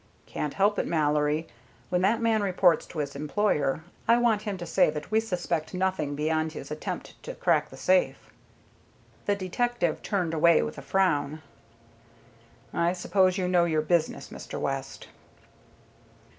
"Can't help it, Mallory. When that man reports to his employer, I want him to say that we suspect nothing beyond his attempt to crack the safe." The detective turned away with a frown. "I suppose you know your business, Mr. West."